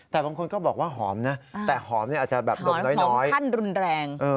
แต่บางคนก็บอกว่าหอมนะแต่หอมอาจจะแบบดมน้อยขั้นรุนแรง